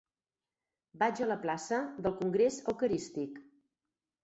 Vaig a la plaça del Congrés Eucarístic.